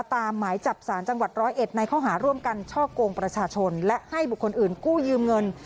หมายจับสารจังหวัดร้อยเอ็ดในข้อหาร่วมกันช่อกงประชาชนและให้บุคคลอื่นกู้ยืมเงิน